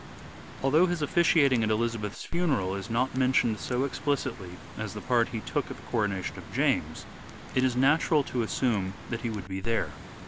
Although his officiating at Elizabeth's funeral is not mentioned so explicitly as the part he took at the coronation of James, it is natural to assume that he would be there.